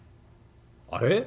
あれ？